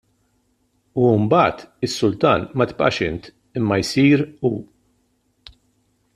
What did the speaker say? U mbagħad is-sultan ma tibqax int imma jsir Hu.